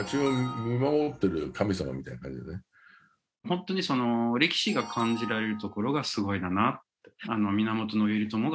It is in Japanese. ホントにその歴史が感じられるところがすごいなって。